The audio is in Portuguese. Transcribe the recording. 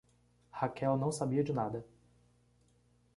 Raquel não sabia de nada.